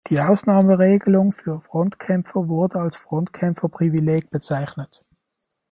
Die Ausnahmeregelung für Frontkämpfer wurde als „Frontkämpferprivileg“ bezeichnet.